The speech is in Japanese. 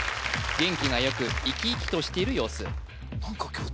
元気がよくいきいきとしている様子